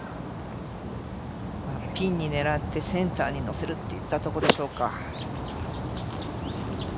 ピンに狙ってセンターにのせるといったところでしょうか。